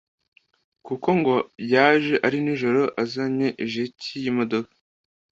Kuko ngo yaje ari nijoro azanye ijeki y’imodoka